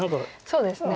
そうですね。